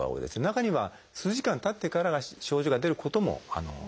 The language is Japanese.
中には数時間たってから症状が出ることもあります。